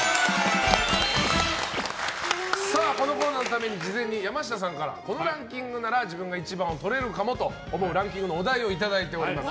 さあ、このコーナーのために事前に山下さんからこのランキングなら自分が１番をとれるかもと思うランキングのお題をいただいております。